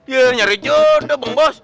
ya nyari jodoh bang bos